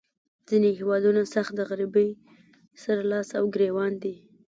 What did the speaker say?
ځینې هیوادونه سخت د غریبۍ سره لاس او ګریوان دي.